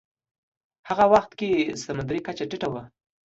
په هغه وخت کې سمندرې کچه ټیټه وه.